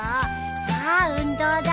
さあ運動だ。